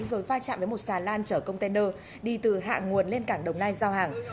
rồi pha chạm với một xà lan chở container đi từ hạ nguồn lên cảng đồng nai giao hàng